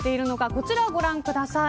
こちらをご覧ください。